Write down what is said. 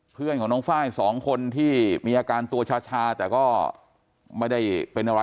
เพื่อนของน้องไฟล์สองคนที่มีอาการตัวชาแต่ก็ไม่ได้เป็นอะไร